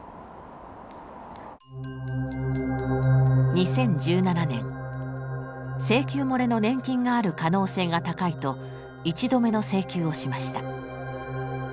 ２０１７年請求もれの年金がある可能性が高いと１度目の請求をしました。